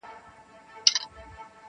ګونګ یې کی زما تقدیر تقدیر خبري نه کوي-